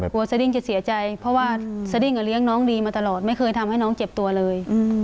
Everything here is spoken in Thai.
สดิ้งจะเสียใจเพราะว่าสดิ้งก็เลี้ยงน้องดีมาตลอดไม่เคยทำให้น้องเจ็บตัวเลย